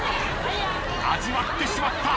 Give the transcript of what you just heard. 味わってしまった。